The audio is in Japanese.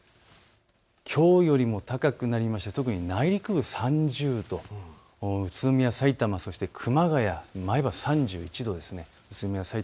きょうよりも高くなりまして特に内陸部３０度、宇都宮、さいたま、そして熊谷、前橋３１度です。